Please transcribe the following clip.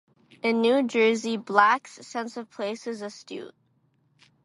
In New Jersey Black's "sense of place is astute".